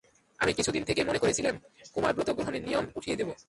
আমিও কিছুদিন থেকে মনে করছিলেম কুমারব্রত গ্রহণের নিয়ম উঠিয়ে দেব।